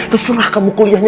terserah kamu kuliahnya